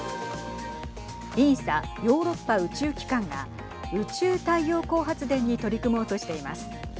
ＥＳＡ＝ヨーロッパ宇宙機関が宇宙太陽光発電に取り組もうとしています。